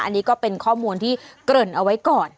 อันนี้ก็เป็นข้อมูลที่เกริ่นเอาไว้ก่อน